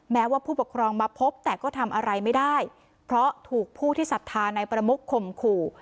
แม้ว่าผู้ปกครองมาพบแต่ก็ทำอะไรไม่ได้เพราะถูกผู้ที่ศรัทธาในประมุข่มขู่